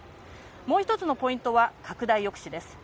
もう１つのポイントは拡大抑止です。